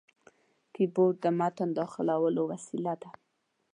کیبورډ د متن داخلولو وسیله ده.